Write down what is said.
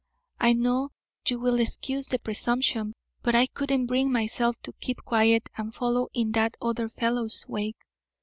I know you will excuse the presumption, but I couldn't bring myself to keep quiet and follow in that other fellow's wake.